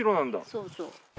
そうそう。